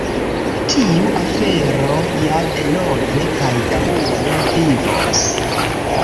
Tiu afero ja denove kaj daŭre vivos.